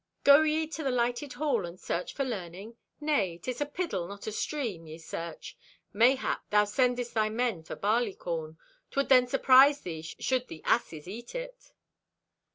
_—"Go ye to the lighted hall to search for learning? Nay, 'tis a piddle, not a stream, ye search. Mayhap thou sendest thy men for barleycorn. 'Twould then surprise thee should the asses eat it."